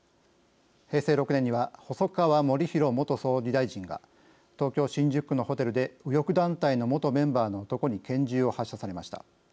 平成６年には細川護煕元総理大臣が東京・新宿区のホテルで右翼団体の元メンバーの男に拳銃を発射されました。